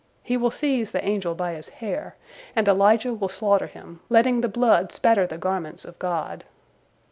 He will seize the angel by his hair, and Elijah will slaughter him, letting the blood spatter the garments of God.